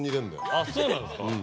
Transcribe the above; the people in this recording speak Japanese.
あっそうなんですか？